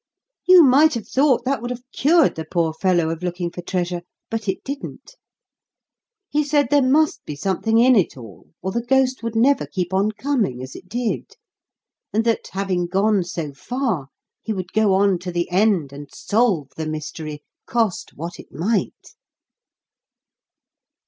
You might have thought that would have cured the poor fellow of looking for treasure. But it didn't. He said there must be something in it all, or the ghost would never keep on coming as it did; and that, having gone so far, he would go on to the end, and solve the mystery, cost what it might.